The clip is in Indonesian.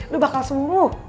lo bakal sembuh